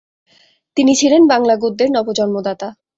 তিনি ছিলেন বাংলা গদ্যের নব জন্মদাতা।